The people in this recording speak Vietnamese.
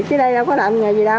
vậy chứ đây đâu có làm nhà gì đâu